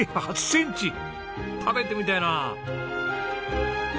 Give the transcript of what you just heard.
食べてみたいなあ。